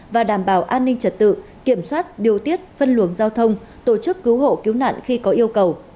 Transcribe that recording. và đảm bảo an ninh trật tự kiểm soát điều tiết phân luồng giao thông tổ chức cứu hộ cứu nạn khi có yêu cầu